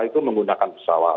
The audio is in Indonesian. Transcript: itu menggunakan pesawat